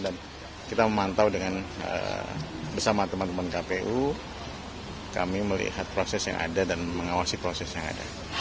dan kita memantau bersama teman teman kpu kami melihat proses yang ada dan mengawasi proses yang ada